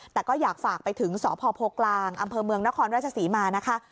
แต่ก็อยากฝากไปถึงสพโพกลางอำเภอเมืองนครราชศรีมานะคะ